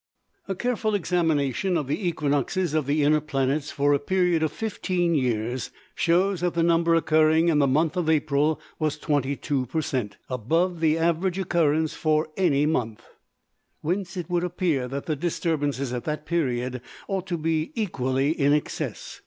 A careful examination of the equinoxes of the inner planets for a period of fifteen years shows that the number occurring in the month of April was 22 per cent. above the average occurrence for any month: whence, it would appear that the disturbances at that period ought to be equally in excess.